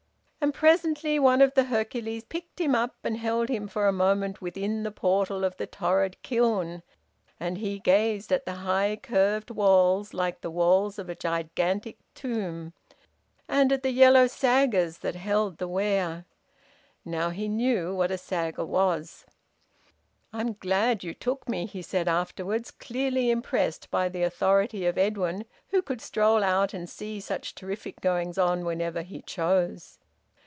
And presently one of the Hercules's picked him up, and held him for a moment within the portal of the torrid kiln, and he gazed at the high curved walls, like the walls of a gigantic tomb, and at the yellow saggers that held the ware. Now he knew what a sagger was. "I'm glad you took me," he said afterwards, clearly impressed by the authority of Edwin, who could stroll out and see such terrific goings on whenever he chose.